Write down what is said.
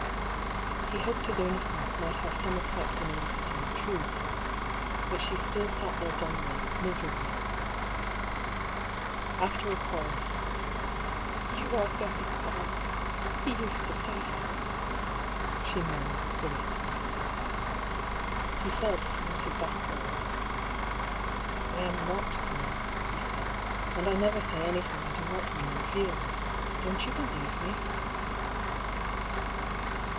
He hoped his earnestness might have some effect in eliciting the truth. But she still sat there dumbly, mis erably. After a pause :" You are — very kind — he used to say so," she mur mured, with a sob. He felt somewhat exasperated. " I am not kind," he said. " And I never say any thing I do not mean and feel. Don't you believe me?"